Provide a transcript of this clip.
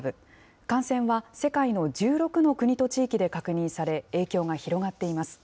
感染は世界の１６の国と地域で確認され、影響が広がっています。